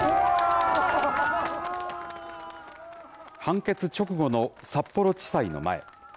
判決直後の札幌地裁の前。